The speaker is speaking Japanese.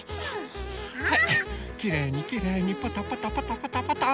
はいきれいにきれいにパタパタパタパタパタ。